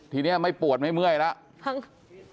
ทีนี้ไม่ปวดไม่เมื่อยแล้ว